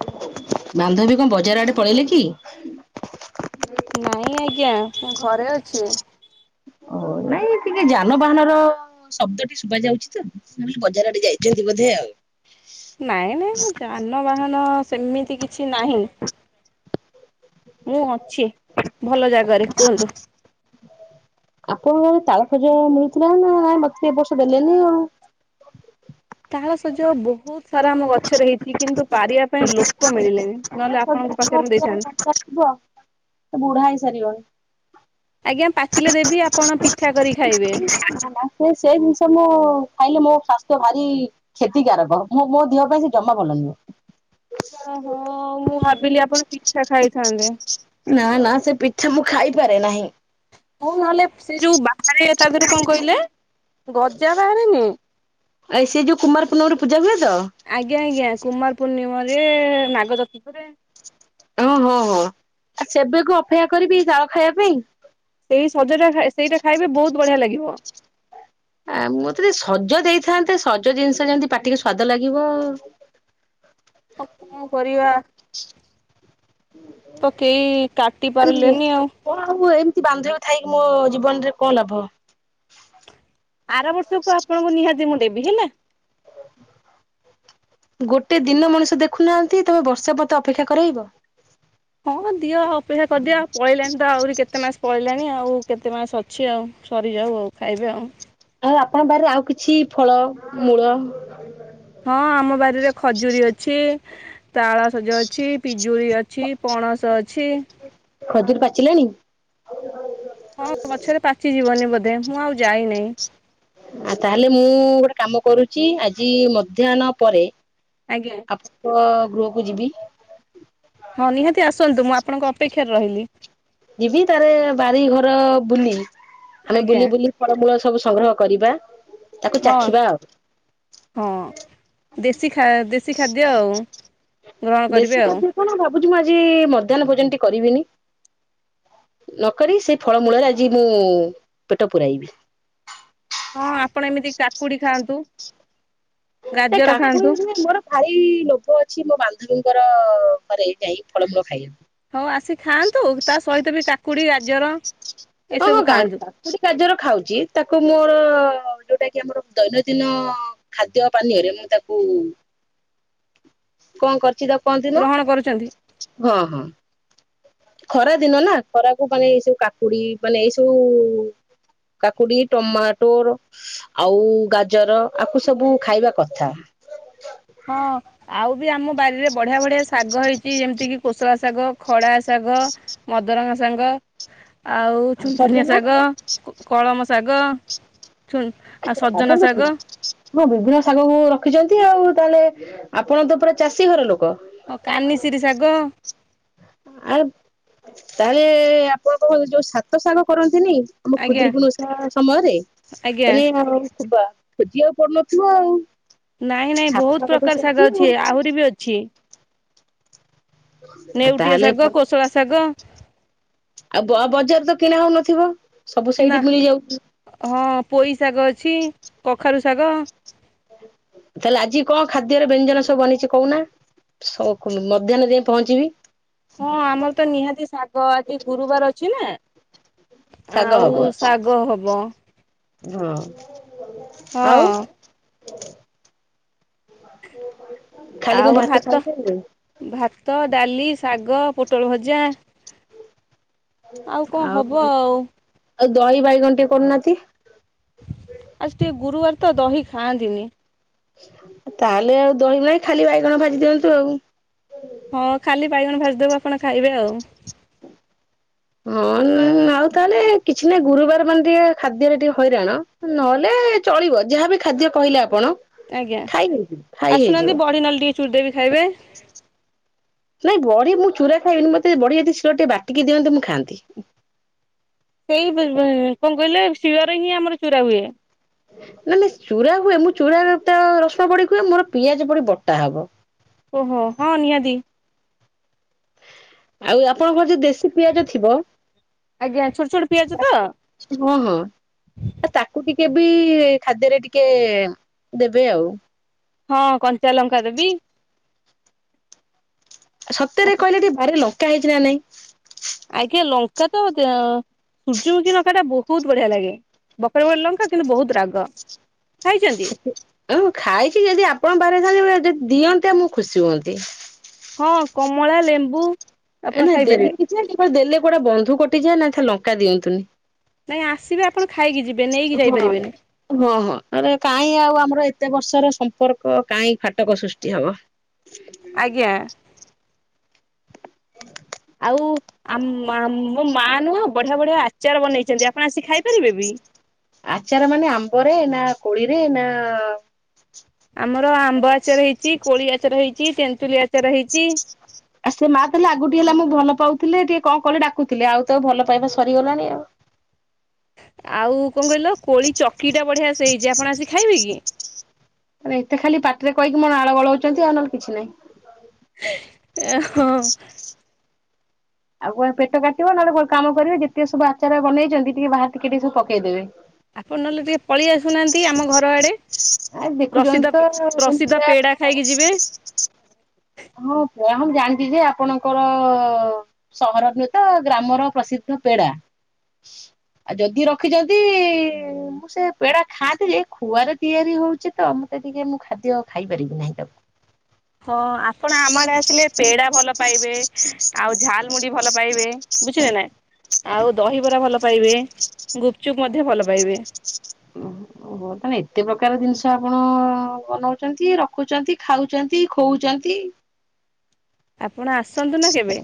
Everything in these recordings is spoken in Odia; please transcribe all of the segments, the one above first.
ବାନ୍ଧବୀ କଣ ବଜାର ଆଡେ ପଳେଇଲେ କି? ନାଇଁ ଆଜ୍ଞା ମୁଁ ଘରେ ଅ ଓ ନାଇଁ ଟିକେ ଯାନବାହାନର ଶବ୍ଦ ଟେ ଶୁଭା ଯାଉଛି ତ ଶୁଣିଲି ବଜାର ଆଡେ ଯାଇଛନ୍ତି ବଧେ ଆଉ। ନାଇଁ ନାଇଁ ମୁଁ ଯାନବାହାନ ସେମିତି କିଛି ନାହିଁ। ମୁଁ ଅଛି ଭଲ ଜାଗାରେ କୁହନ୍ତୁ? ଆପଣଙ୍କ ଘରେ ତାଳ ସଜ ମିଳିଥିଲା ନା ମତେ ଏ ବର୍ଷ ଦେଲେନି ଆଉ? ତାଳ ସଜ ବହୁତ ସାରା ଆମ ଗ ଛରେ ହେଇଛି କିନ୍ତୁ ପାରିବା ପାଇଁ ଲୋକ ମିଳିଲେନି ନହେଲେ ଆପଣଙ୍କ ପାଖରେ ମୁଁ ଦେଇଥାନ୍ତି। ସେ କଣ ଥିବ ବୁଢା ହେଇ ସାରିବନି? ଆଜ୍ଞା ପାଚିଲେ ଦେବି ଆପଣ ପିଠା କରିକି ଖାଇବେ? [unintelligible] ସେ ସେଇ ଜିନିଷ ମୁଁ ଖାଇଲେ ମୋ ସ୍ୱାସ୍ଥ୍ୟ ଭାରି କ୍ଷତିକାରକ ମୋ ମୋ ଦିହ ପାଇଁ ସେ ଜମା ଭଲ ନୁହେଁ। ଓହୋ ମୁଁ ଭାବିଲି ଆପଣ ପିଠା ଖାଇଥାନ୍ତେ? ନା ନା ସେ ପିଠା ମୁଁ ଖାଇପାରେ ନାହିଁ। ହଉ ନହେଲେ ସେ ଯୋଉ ବାହାରେ ତା ଦେହରୁ କଣ କହିଲେ ଗଜା ବାହାରେନି? ଏ ସେଇ ଯୋଉ କୁମାର ପୂର୍ଣ୍ଣମୀ ରେ ପୂଜା ହୁଏ ତ? ଆଜ୍ଞା ଆଜ୍ଞା କୁମାର ପୂର୍ଣ୍ଣିମରେ ନାଗଚର୍ତୁଥିରେ ଓହୋ ହଁ ହଁ ଆଉ ସେବେକୁ ଅପେକ୍ଷା କରିବି ତାଳ ଖାଇବା ପାଇଁ? ସେଇ ସଜ ଟା ସେଇଟା ଖାଇବେ ବହୁତ ବଢିଆ ଲାଗିବ। ଆ ମୋତେ ଟିକେ ସଜ ଦେଇଥାନ୍ତେ ସଜ ଜିନିଷ ଯେମତି ପାଟିକି ସ୍ଵାଦ ଲାଗିବ। ଆ କଣ କରିବା? ତ କେହି କାଟି ପରିଲେନି ଆଉ। କଣ ହବ ଏମିତି ବାନ୍ଧବୀ ଥାଇକି ମୋ ଜୀବନ ରେ କଣ ଲାଭ? ଆର ବର୍ଷକୁ ଆପଣଙ୍କୁ ନିହାତି ମୁଁ ଦେବି ହେଲା। ଗୋଟେ ଦିନ ମଣିଷ ଦେଖୁନାହାନ୍ତି ତମେ ବର୍ଷେ ମତେ ଅପେକ୍ଷା କରେଇବ? ହଁ ଦିଅ ଅପେକ୍ଷା କରିଦିଅ ଆ ପଳେଇଲାଣି ତ ଆହୁରି କେତେ ମାସ ପଳେଇଲାନି ଆଉ କେତେ ମାସ ଅ ଅଛି ଆଉ ସରିଯାଉ ଆଉ ଖାଇବେ ଆଉ। ଆଉ ଆପଣଙ୍କ ପାଖରେ ଆଉ କିଛି ଫଳ ମୂଳ ହଁ ଆମ ବାରିରେ ଖଜୁରୀ ଅଛି ତାଳସଜ ଅଛି ପିଜୁଳି ଅଛି। ପଣସ ଅଛି। ଖଜୁରି ପାଚିଲାଣି? ହଁ ଗଛରେ ପାଚିଯିବନି ବୋଧେ ମୁଁ ଆଉ ଯାଇନି। ଆଉ ତାହେଲେ ମୁଁ ଗୋଟେ କାମ କରୁଛି ଆଜି ମଧ୍ୟାହ୍ନ ପରେ ଆଜ୍ଞା। ଆପଣଙ୍କ ଗୃହକୁ ଯିବି। ହଁ ନିହାତି ଆସନ୍ତୁ ମୁଁ ଆପଣଙ୍କ ଅପେକ୍ଷାରେ ରହିଲି। ଯିବି ତାରେ ବାରି ଘର ବୁଲି ଆମେ ଆଜ୍ଞା ବୁଲି ବୁଲି ଫଳମୂଳ ସବୁ ସଂଗ୍ରହ କରିବା ତାକୁ ହଁ ଚାଖିବା ଆଉ। ହଁ ଦେଶୀ ଦେଶୀ ଖାଦ୍ୟ ଆଉ। ଗ୍ରହଣ କରିବେ ଦେଶୀ ଆଉ। ଖାଦ୍ୟ କଣ ଭାବୁଛି ମୁଁ ଆଜି ମଧ୍ୟାହ୍ନ ଭୋଜନଟି କରିବିନି। ନକରି ସେ ଫଳ ମୂଳରେ ଆଜି ମୁଁ ପେଟ ପୂୁରାଇବି। ହଁ ଆପଣ ଏମିତି କାକୁଡି ଖାଆନ୍ତୁ। ସେ ଗାଜର ଖାଆନ୍ତୁ କାକୁଡି ସେ ସବୁ ମୋର ଭାରି ଲୋଭ ଅଛି ମୋ ବାନ୍ଧବୀଙ୍କର ଘରେ ଯାଇ ଫଳ ଫୂଳ ଖାଇଆକୁ। ହଉ ଆସି ଖାଆନ୍ତୁ ତା ସହିତ ବି କାକୁଡ଼ି ଗାଜର ହଁ ହଁ ଏସବୁ ଖାଆନ୍ତୁ ଗାତା କୋଉଠି କାଜର ଖାଉଚି ତାକୁ ମୋର ଯୋଉଟା କି ଆମର ଦୈନଦିନ ଖାଦ୍ୟ ପାନୀୟରେ ମୁଁ ତାକୁ କଁ କରିଚି ତା କହନ୍ତି ନ ଗ୍ରହଣ କରୁଛନ୍ତି ହଁ ହଁ।। ଖରା ଦିନ ନା ଖରାକୁ ମାନେ ଏଇ ସବୁ କାକୁଡ଼ି ମାନେ ଏଇ ସବୁ କାକୁଡ଼ି ଟମାଟୋର ଆଉ ଗାଜର ଆକୁ ସବୁ ଖାଇବା କଥା। ହଁ। ଆଉ ବି ଆମ ବାରିରେ ବଢ଼ିଆ ବଢ଼ିଆ ଶାଗ ହେଇଛି ଯେମିତି କିି କୋଷଳା ଶାଗ, ଖଡ଼ା ଶାଗ। ମଦରଙ୍ଗା ସାଙ୍ଗ। ଆଉ ଚୁନ ଚୁନିଆ ସଜନା ଶାଗ, କଳମ ଶାଗ। ଛୁନ୍ ଆଉ ସଜନା ଶାଗ। ମୋ ବୁବୁନା ଶାଗକୁ ରଖିଚନ୍ତି ଆଉ ତାହେଲେ ଆପଣ ତ ପୁରା ଚାଷୀ ଘର ଲୋକ। ହଁ କାନିଶିରି ଶାଗ। ଆରେ ତାହେଲେ ଆପଣଙ୍କ ଯୋଉ ସାତ ଶାଗ କରନ୍ତିନି ଆମ ଆଜ୍ଞା ଖୁଦୁରକୁଣି ଉଷା ସମୟରେ ଆଜ୍ଞା ତାନେ ଆଉ ଖୁବା ଖୋଜିବାକୁ ପଡ଼ୁନଥୁବ ଆଉ। ନାଇଁ ନାଇଁ ସାତ ବହୁତ ଶାଗ ତ ପ୍ରକାର ଶାଗ ସେମିତି ଆଉ ଅଛି ଆହୁରି ବି ଅଛି। ଆ ନେଉଟିଆ ତାହେଲେ ଶାଗ ଭ କୋଶଳା ଶାଗ ଆଉ ବ ବଜାର ତ କିଣା ହଉନଥିବ ସବୁ ନା ସେଇଠି ମିଳିଯାଉଚି। ହଁ ପୋଇ ଶାଗ ଅଛି କଖାରୁ ଶାଗ। ତାହେଲେ ଆଜି କଁ ଖାଦ୍ୟରେ ବ୍ୟଞ୍ଜନ ସବୁ ବନିଇଛି କଉନା। ସ କୁନୁ ମଧ୍ୟାହ୍ନ ଯାଇ ପହଞ୍ଚିବି। ହଁ ଆମର ତ ନିହାତି ଶାଗ ଆଜି ଗୁରୁବାର ଅଛି ନାଁ ଶାଗ ଆଉ ଶାଗ ହବ। ଘଁ। ହଁ। ଖାଲି କଣ ଆଉ ଭାତ ଖାଇପାରିବେ ଭାତ, ଡାଲି, ଶାଗ, ପୋଟଳ ଭଜା। ଆଉ କଁ ହବ ଆଉ। ଆଉ ଦହି ବାଇଗଣ ଟିକେ କରୁନାହାନ୍ତି। ଆଉ ଟିକେ ଗୁରୁବାର ତ ଦହି ଖାଆନ୍ତିନି। ତାହେଲେ ଆଉ ଦହିି ନାହିଁ ଖାଲି ବାଇଗଣ ଭାଜି ଦିଅନ୍ତୁ ଆଉ। ହଁ ଖାଲି ବାଇଗଣ ଭାଜିଦବୁ ଆପଣ ଖାଇବେ ଆଉ। ହଁ ଆଉ ତାହେଲେ କିଛି ନାହିଁ ଗୁରୁବାର ମାନେ ଟିକେ ଖାଦ୍ୟରେ ଟିକେ ହଇରାଣ। ନହେଲେ ଚଳିବ ଯାହାବି ଖାଦ୍ୟ କହିଲେ ଆପଣ ଆଜ୍ଞା ଖାଇ ହେଇଯିବ ଖାଇ ହେଇଯିବ। ଆସୁନାହାନ୍ତି ବଡ଼ି ନହେଲେ ଟିକେ ଚୁରିଦେବି ଖାଇବେ। [inaudible] ନାଇଁ ବଡ଼ି ମୁଁ ଚୁରା ଖାଇବିନି ମତେ ବଢ଼ି ଯଦି ଶିଳରେ ଟିକେ ବାଟିକି ଦିଅନ୍ତେ ମୁଁ ଖାଆନ୍ତି। ସେଇ ବିଲ୍ ବି କଁ କହିଲେ ଶିଳରେ ହିଁ ଆମର ଚୁରା ହୁଏ। ନାଁ ନାଇଁ ଚୁରା ହୁଏ ମୁଁ ଚୁରାରେ ତ ରସୁଣ ପଡ଼ି ହୁଏ ମୋର ପିଆଜ ପଡ଼ି ବଟା ହବ। ଓହୋ ହଁ ନିହାତି। ଆଉ ଆପଣଙ୍କର ଯେ ଦେଶୀ ପିଆଜ ଥିବ ଆଜ୍ଞା ଛୋଟ ଛୋଟ ପିଆଜ ତ ହଁ ହଁ। ଆ ତାକୁ ଟିକେ ବି ଖାଦ୍ୟରେ ଟିକେ ଦେବେ ଆଉ। ହଁ କଞ୍ଚା ଲଙ୍କା ଦେବି। ସତ୍ୟରେ କହିଲେ ଟିକେ ବାରିରେ ଲଙ୍କା ହେଇଚି ନାଁ ନାଇଁ? ଆଜ୍ଞା ଲଙ୍କା ତ ସୂର୍ଯ୍ୟମୁଖି ଦେ ଲଙ୍କାଟା ବହୁତ ବଢ଼ିଆ ଲାଗେ। ବକଟେ ବ ଲଙ୍କା କିନ୍ତୁ ବହୁତ ରାଗ। ଖାଇଛନ୍ତି ଆଉ ଖାଇକି ଯଦି ଆପଣଙ୍କ ପାଖରେ ଥାନ୍ତି ବେ ଯଦି ଦିଅନ୍ତେ ମୁଁ ଖୁସି ହୁଅନ୍ତି। ହଁ କମଳା ଲେମ୍ବୁ। ଆପଣ ନାଇ ଦେଲେ ଖାଇପାରିବେ କିଛି ନାଇଁ ଯେ ଦେଲେ କୁଆଡ଼େ ବନ୍ଧୁ କଟିଯାଏ ନା ଥା ଲଙ୍କା ଦିଅନ୍ତିନି। ନାଇ ଆସିବେ ଆପଣ ଖାଇକି ଯିବେ ନେଇକି ହଁ। ଯାଇପାରିବେନି? ହଁ ହଁରେ କାହିଁ ଆଉ ଆମର ଏତେ ବର୍ଷର ସମ୍ପର୍କ କାହିଁ ଫାଟକ ସୃଷ୍ଟି ହବ। ଆଜ୍ଞା। ଆଉ ଆମ୍ ମୋ ମା ନୁହଁ ବଢିଆ ବଢିଆ ଆଚାର ବନେଇଛନ୍ତି? ଆପଣ ଆସି ଖାଇପାରିବେ ବି ଆଚାର ମାନେ ଆମ୍ବରେ ନା କୋଳିରେ ନା ଆମର ଆମ୍ବ ଆଚାର ହେଇଛି କୋଳି ଆଚାର ହେଇଛି ତେନ୍ତୁଲି ଆଚାର ହେଇଛି। [inaudible] ସେ ମା ପିଲା ଆଗକୁ ଟିକେ ହେଲେ ଆମକୁ ଭଲ ପାଉଥିଲେ ଟିକେ କଣ କଲେ ଡାକୁଥିଲେ ଆଉ ତ ଭଲ ପାଇବା ସରିଗଲାଣି ଆଉ। ଆଉ କଣ କହିଲ କୋଳି ଚକିଟା ବଢ଼ିଆ ସେ ହେଇଛି ଆପଣ ଆସି ଖାଇବେ କି? ଏତେ ଖାଲି ପାଟିରେ କହିକି ମୋ ଲାଳ ଗଲଉଛନ୍ତି ଆଉ ନହେଲେ କିଛି ନାହିଁ। ଓ ହଁ। [inaudible] ଆଉ କଣ ପେଟ କାଟିବ ନହେଲେ କାମ କରିବ ଯେତେ ସବୁ ଆଚାର ବନେଇଛନ୍ତିି ଟିକେ ବାହାରେ ଟିକେ ଟିକେ ସବୁ ପକେଇଦେବେ। ଆପଣ ନହଲେ ଟିକେ ପଳେଇ ଆସ ଆସୁନାହାନ୍ତି ଆମ ଘର ଆଡେ ଆ ଦେଖୁଛନ୍ତି ପ୍ରସିଦ୍ଧ ତ ପ୍ରସିଦ୍ଧ ଏମିତିଆ ପେଡା ଖାଇକି ଯିବେ? ହଁ ପା ହଁ ଜାଣିଛି ଯେ ଆପଣଙ୍କର ସହର ନୁହେଁ ତ ଗ୍ରାମର ପ୍ରସିଦ୍ଧ ପେଡା। ଆଉ ଯଦି ରଖିଛନ୍ତି ମୁଁ ସେ ପେଡା ଖାଆନ୍ତି ଯେ ଖୁଆରେ ତିଆରି ହଉଛି ତ ମତେ ଟିକେ ମୁଁ ଖାଦ୍ୟ ଖାଇପାରିବି ନାହିଁ ତାକୁ? ହଁ ଆପଣ ଆମ ଆଡ଼େ ଆସିଲେ ପେଡା ଭଲ ପାଇବେ ଆଉ ଝାଲ ମୁଢ଼ି ଭଲ ପାଇବେ ବୁଝିଲେ ନା। ଆଉ ଦହିବରା ଭଲ ପାଇବେ ଗୁପଚୁପ୍ ମଧ୍ୟ ଭଲ ପାଇବେ। ଓହୋ। ଓହୋ ତାଲେ ଏତେ ପ୍ରକାର ଜିନିଷ ଆପଣ ବନଉଛନ୍ତି ରଖୁଛନ୍ତି ଖାଉଛନ୍ତି ଖୁଉଛନ୍ତି? ଆପଣ ଆସନ୍ତୁ ନା କେବେ?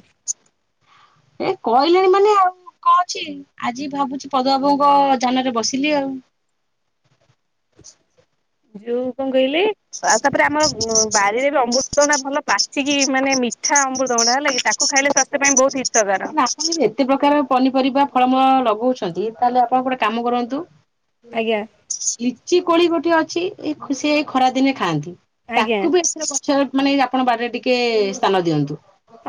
ଏ କହିଲେଣି ମାନେ ଆଉ କଣ ଅଛି ଆଜି ଭାବୁଛି ପଦବାବୁଙ୍କ ଯାନରେ ବସିଲି ଆଉ। ଯୋଉ କଣ କହିଲି ଆଉ ତାପରେ ଆମର ବାରରେ ବି ଅମୃ ତଭଣ୍ଡା ଭଲ ପାଚିକି ମାନେ ମିଠା ଅମୃତଭଣ୍ଡା ହେଲା କି ତାକୁ ଖାଇଲେ ସ୍ୱାସ୍ଥ୍ୟ ପାଇଁ ବହୁତ ହିତକର। ମୁଁ କହିଲି ଏତେ ପ୍ରକାର ପନିପରିବା ଫଳମୂଳ ଲଗଉଛନ୍ତି ତାହେଲେ ଆପଣ ଗୋଟେ କାମ କରନ୍ତୁ? ଆଜ୍ଞା ଲିଚି କୋଳି ଗୋଟେ ଅଛି ଏଇ ସେ ଖରା ଦିନେ ଖାଆନ୍ତି? ଆଜ୍ଞା ତାକୁ ବି ଏ ପଛ ମାନେ ଆପଣ ବାରିରେ ଟିକେ ସ୍ଥାନ ଦିଅନ୍ତୁ?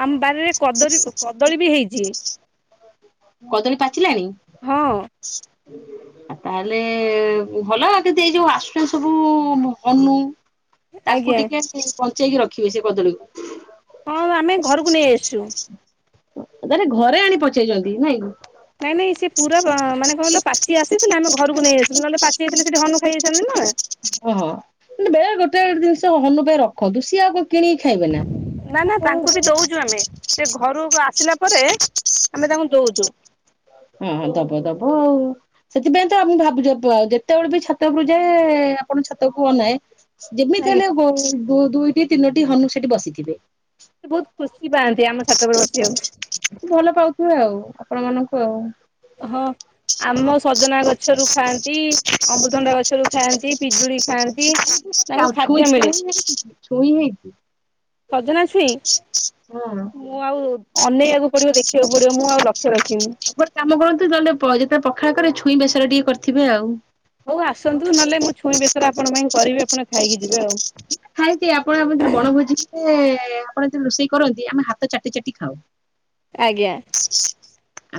ଆମ ବାରିରେ କଦରି କଦଳୀ ବି ହେଇଛି। କଦଳୀ ପାଚିଲାଣି? ହଁ ଆଉ ତାହେଲେ ଭଲ କେତେ ଏଇ ଯୋଉ ଆସୁଛ ସବୁ କିନ୍ତୁ ତାକୁ ଆଜ୍ଞା ଟିକେ ସେ ବଞ୍ଚେଇକି ରଖିବେ ସେ କଦଳୀକୁ? ହଁ ଆମେ ଘରକୁ ନେଇ ଆସିଛୁ। ଓ ତାହେଲେ ଘରେ ଆଣି ପଚେଇଛନ୍ତି ନାଇଁ। ନାଇଁ ନାଇଁ ସେ ପୁରା ମାନେ କହିଲ ପାଚି ଆସିଥିଲା ଆମେ ଘରକୁ ନେଇ ଆସିଥିଲୁ ନହେଲେ ପାଚିଯାଇଥିଲେ ସେଠି ହନୁ ଖାଇଦେଇଥାନ୍ତା ନା। ଓହୋ। ବେଳେ ଗୋଟେ ଜିନିଷ ହନୁ ଟେ ରଖନ୍ତୁ ସିଏ ଆଉ କଣ କିଣିକି ଖାଇବେ ନା। ନା ନା ତାଙ୍କୁ ବି ଦଉଛୁ ଆମେ ସେ ଘରୁକୁ ଆସିଲା ପରେ ଆମେ ତାଙ୍କୁ ଦଉଛୁ। ହଁ ଦବ ଦବ ଆଉ। ସେଥିପାଇଁ ତ ଆମ ଭାବୁଛ ଆଉ ଯେତେବେଳେ ବି ଛାତ ଉପରୁ ଯାଏ ଆପଣ ଛାତକୁ ଅନାଏ ଯେମିତି ଆଜ୍ଞା ହେଲେ ବ ବ ଦୁଇଟି ତିନୋଟି ହନୁ ସେଠି ବସିଥିବେ। ସେ ବହୁତ ଖୁସି ପାଆନ୍ତି ଆମ ଛାତ ଉପରେ ବସିବାକୁ। ଭଲ ପାଉ ଥିବେ ଆଉ ଆପଣ ମାନଙ୍କୁ ଆଉ। ହଁ ଆମ ସଜନାଗ ଛରୁ ଖାଆନ୍ତି। ଅମୃତଭଣ୍ଡା ଗଛରୁ ଖାଆନ୍ତି। ପିଜୁଳି ଖାଆନ୍ତି। ତାଙ୍କୁ ଆଉ ଖାଦ୍ୟ ଛୁଇଁ ଛୁଇଁ? ମିଳେ [unintelligible] ଛୁଇଁ ହେଇଚି? ସଜନା ଛୁଇଁ? ହୁଁ। ମୁଁ ଆଉ ଅନେଇଆକୁ ପଡିବ। ଦେଖିଆକୁ ପଡିବ। ମୁଁ ଆଉ ଲକ୍ଷ୍ୟ ରଖିନି। ଗୋଟେ କାମ କରନ୍ତୁ ଯହେଲେ ପ ଯେତବେଳେ ପଖାଳ କରିବେ ଛୁଇଁ ବେସର ଟିକେ କରିଥିବେ ଆଉ। ହଉ ଆସନ୍ତୁ ନହେଲେ ମୁଁ ଛୁଇଁ ବେସର ଆପଣଙ୍କ ପାଇଁ କରିବି ଆପଣ ଖାଇକି ଯିବେ ଆଉ। ଖାଇତି ଆପଣ ଆମର ଦିନେ ବଣଭୋଜି ଏ ଏ ଆପଣ ଯେତେବେଳେ ରୋଷେଇ କରନ୍ତି ଆମେ ହାତ ଚାଟି ଚାଟି ଖାଉ। ଆଜ୍ଞା।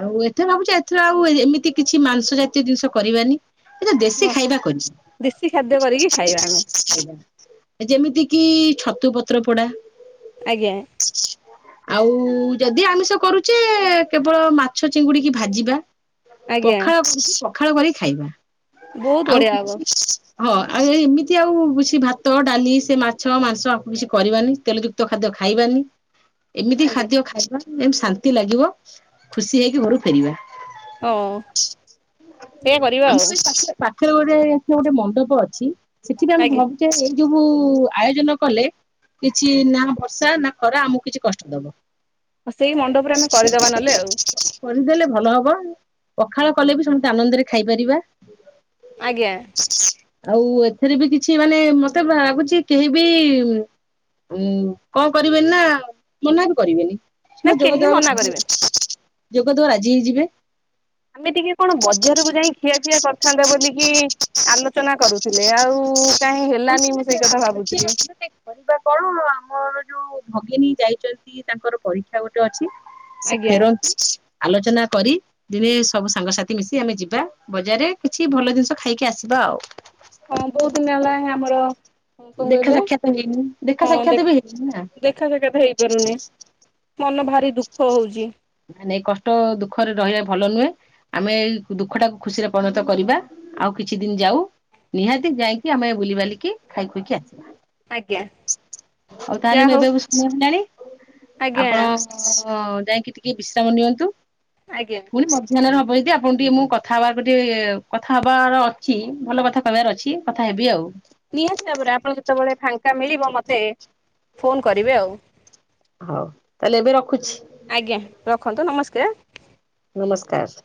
ଆଉ ଏଥର ଭାବୁଚି ଏଥର ଆଉ ଏମିତି କିଛି ମାଂସ ଜାତୀୟ ଜିନିଷ କରିବାନି। ଏ ତ ଦେଶୀ ହଁ। ଖାଇବା ଦେଶୀ ଖାଦ୍ୟ କରିକି କରିବି। ଖାଇବା ଆମେ ଖାଇବା। ଯେମିତି କିି ଛତୁ ପତ୍ର ପୋଡା। ଆଜ୍ଞା। ହ ଆଉ ଯଦି ଆମିଷ କରୁଚେ କେବଳ ମାଛ ଚିଙ୍ଗୁଡିକି ଭାଜିବା। ଆଜ୍ଞା ପଖାଳ ପଖାଳ କରି ଖାଇବା। ବହୁତ ଆଉ ବଢିଆ ହବ ହଁ ଆଉ ଏଇ ଇମିତି ଆଉ ସେ ଭାତ ଡାଲି ସେ ମାଛ, ମାଂସ ଆକୁ କିଛି କରିବାନି। ତେଲ ଯୁକ୍ତ ଖାଦ୍ୟ ଖାଇବାନି। ଏମିତି ଆଜ୍ଞା ଖାଦ୍ୟ ଖାଇବା ଏମତି ଶାନ୍ତି ଲାଗିବ। ଖୁସି ହେଇକି ଘରୁକୁ ଫେରିବା। ହଁ ସେଇଆ କରିବା ଆଉ। ପାଖେରେ ଗୋଟେ କିଏ ଗୋଟେ ମଣ୍ଡପ ଅଛି ସେଠିକି ଆମେ ଆଜ୍ଞା ଭମ୍ ଯେ ଏଇ ଯୋବୁ ଆୟୋଜନ କଲେ କିଛି ନା ବର୍ଷା ନା ଖରା ଆମକୁ କିଛି କଷ୍ଟ ଦବ। ସେଇ ମଣ୍ଡପରେ ଆମେ କରିଦବା ନହେଲେ ଆଉ। କରିଦେଲେ ଭଲ ହବ। ପଖାଳ କଲେ ବି ସମସ୍ତେ ଆନନ୍ଦରେ ଖାଇପାରିବା। ଆଜ୍ଞା। ଆଉ ଏଥିରେ ବି କିଛି ମାନେ ମତେ ଭାବୁଚି କେହି ବି ଉଁ କଣ କରିବେନି ନା ମନା ବି କରିବେନି। ନା ମ ଯୋଗ କେହି ଦେବା ମନା ଆ କରିବେନି ଯୋଗଦବା ରାଜି ହେଇଯିବେ। ଆମେ ଟିକେ କଣ ବଜାରକୁ ଯାଇଁ ଖିଆ ପିଆ କରିଥାନ୍ତା ବୋଲିକି ଆଲୋଚନା କରୁଥିଲେ। ଆଉ କାହିଁ ହେଲାନି ମୁଁ ସେଇ କଥା ଭାବୁଥିଲି। କରିବା କଣ ଆମର ଯୋଉ ଭଗିନୀ ଯାଇଚନ୍ତି ତାଙ୍କର ପରୀକ୍ଷା ଗୋଟେ ଅଛି। ସେ ଆଜ୍ଞା ଫେରନ୍ତୁ ଆଲୋଚନା କରି ଦିନେ ସବୁ ସାଙ୍ଗସାଥି ମିଶି ଆମେ ଯିବା। ବଜାରରେ କିଛି ଭଲ ଜିନିଷ ଖାଇକି ଆସିବା ଆଉ। ହଁ ବହୁତ ଦିନ ହେଲାଇଁ ଆମର କଣ ଦେଖା କହିଲେ ସାକ୍ଷାତ ହେଇନି। ଦେଖା ହଁ ଦେ ସାକ୍ଷାତ ବି ହେଇନି ନା। ଦେଖା ସାକ୍ଷାତ ହେଇପାରୁନି। ମନ ଭାରି ଦୁଃଖ ହଉଚି। ନାଇଁ ନାଇଁ କଷ୍ଟ ଦୁଃଖରେ ରହିଆ ଭଲ ନୁହେଁ। ଆମେ ଏଇ ଦୁଃଖ ଟାକୁ ଖୁସିରେ ପରିଣତ କରିବା ଆଉ କିଛି ଦିନ ଯାଉ। ନିହାତି ଯାଇକି ଆମେ ବୁଲିବାଲିକି ଖାଇ ପିଇକି ଆସିବା। ଆଜ୍ଞା ଆଉ ତାହେଲେ ଯାହା ମୁଁ ହଉ ଏବେ ବି ଶୁଣି [unintelligible] ଆଜ୍ଞା ଆପଣ ଅଁ ଯାଇଁକି ଟିକେ ବିଶ୍ରାମ ନିଅନ୍ତୁ। ଆଜ୍ଞା। ପୁଣି ମଧ୍ୟାହ୍ନରେ ହବ ଯଦି ଆପଣଙ୍କୁ ଟିକେ ମୁଁ କଥା ହବାକୁ ଟିକେ କଥା ହେବାର ଅଛି ଭଲ କଥା କହିବାର ଅଛି। କଥା ହେବି ଆଉ। ନିହାତି ଭାବରେ ଆପଣ ଯେତେବେଳେ ଫାଙ୍କା ମିଳିବ ମତେ ଫୋନ କରିବେ ଆଉ। ହଉ ତାହେଲେ ଏବେ ରଖୁଛି। ଆଜ୍ଞା। ରଖନ୍ତୁ ନମସ୍କାର। ନମସ୍କାର।